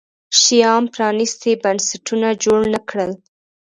شیام پرانیستي بنسټونه جوړ نه کړل.